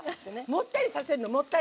もったりさせるのもったり。